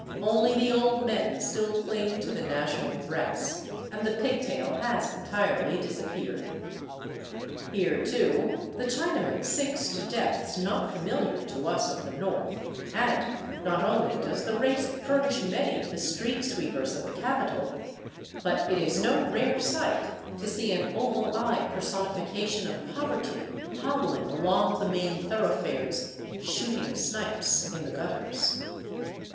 Only the old men still cling to the national dress, and the pigtail has entirely disappeared. Here, too, the Chinaman sinks to depths not familiar to us of the north, and not only does the race furnish many of the street sweepers of the capital, but it is no rare sight to see an oval eyed personification of poverty hobbling along the main thoroughfares " shooting snipes " in the gut ters.